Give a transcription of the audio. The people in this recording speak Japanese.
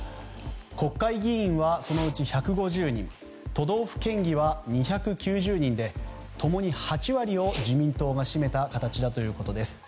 国会議員は、そのうち１５０人都道府県議は２９０人で共に８割を自民党が占めた形だということです。